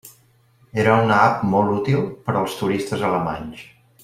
Era una app molt útil per als turistes alemanys.